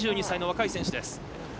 ２２歳の若い選手です。